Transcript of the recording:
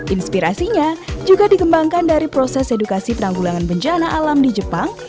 inspirasinya juga dikembangkan dari proses edukasi penanggulangan bencana alam di jepang